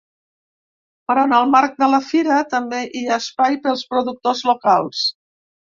Però en el marc de la fira també hi ha espai pels productors locals.